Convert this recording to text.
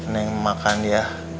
neng makan ya